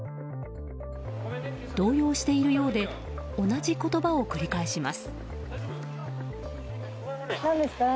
動揺しているようで同じ言葉を繰り返します。